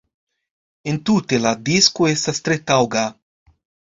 Entute, la disko estas tre taŭga.